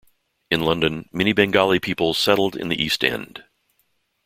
In London, many Bengali people settled in the East End.